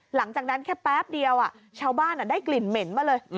หลังจากนั้นแค่แป๊บเดียวชาวบ้านได้กลิ่นเหม็นมาเลย